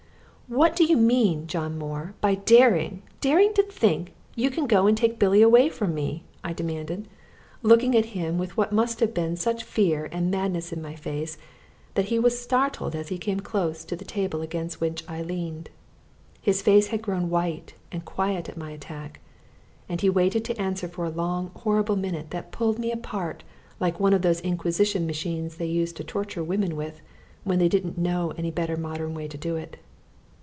"What do you mean, John Moore, by daring, daring to think you can go and take Billy away from me?" I demanded, looking at him with what must have been such fear and madness in my face that he was startled as he came close to the table against which I leaned. His face had grown white and quiet at my attack, and he waited to answer for a long horrible minute that pulled me apart like one of those inquisition machines they used to torture women with when they didn't know any better modern way to do it.